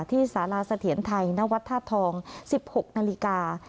ที่ศาลาเสถียรไทยณวัฒนธรรม๑๖นาฬิกา